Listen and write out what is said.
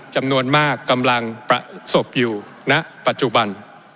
จำนวนมากกำลังประสบอยู่ณปัจจุบัน